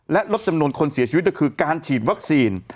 และลดจำนวนคนเสียชีวิตก็คือการฉีดวัคซีน